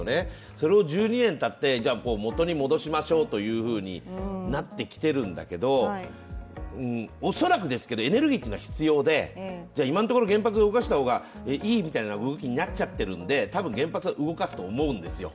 それを１２年たって元に戻しましょうとなってきてるんだけど、恐らくですけどエネルギーというのは必要で今のところ原発を動かした方がいいという動きになっちゃっているんで多分原発は動かすと思うんですよ